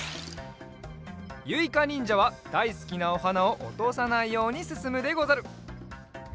ゆいかにんじゃはだいすきなおはなをおとさないようにすすむでござる。